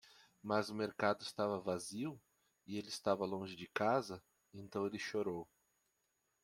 Mas o mercado estava vazio? e ele estava longe de casa? então ele chorou.